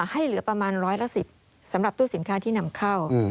ให้เหลือประมาณร้อยละ๑๐สำหรับตู้สินค้าที่นำเข้า